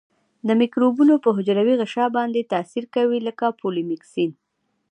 د مکروبونو په حجروي غشا باندې تاثیر کوي لکه پولیمیکسین.